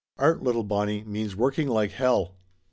Art, little Bonnie, means working like hell."